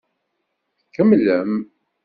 Tkemmlem.